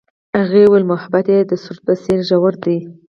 هغې وویل محبت یې د سرود په څېر ژور دی.